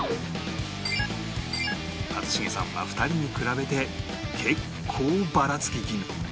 一茂さんは２人に比べて結構ばらつき気味